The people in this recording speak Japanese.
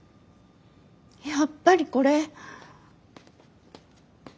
やっぱりこれ。